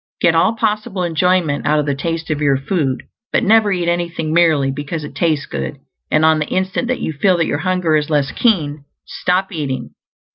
Get all possible enjoyment out of the taste of your food, but never eat anything merely because it tastes good; and on the instant that you feel that your hunger is less keen, stop eating.